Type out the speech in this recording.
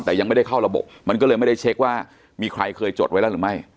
แต่ยังไม่ได้เข้าระบบมันก็เลยไม่ได้เช็คว่ามีใครเคยจดไว้แล้วหรือไม่